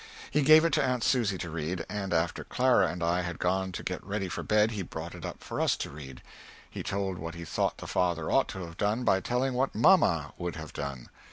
He gave it to Aunt Susy to read, and after Clara and I had gone up to get ready for bed he brought it up for us to read. He told what he thought the father ought to have done by telling what mamma would have done.